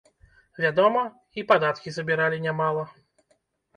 Вядома, і падаткі забіралі нямала.